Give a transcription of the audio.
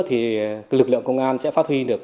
thì lực lượng công an sẽ phát huy được